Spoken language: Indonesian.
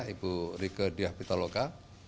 ibu rike diyah pitaloka